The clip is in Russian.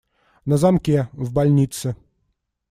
На замке, в больнице.